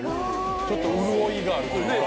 ちょっと潤いがあるというかねえ